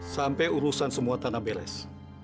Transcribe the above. sampai urusan semua tanah beres